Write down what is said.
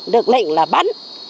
được lệnh là bắn